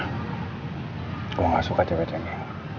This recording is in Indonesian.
gue gak suka cewek ceweknya